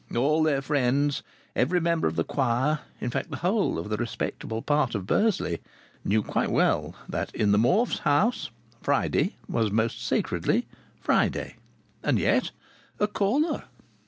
All their friends, every member of the choir, in fact the whole of the respectable part of barsley, knew quite well that in the Morfes' house Friday was sacredly Friday. And yet a caller!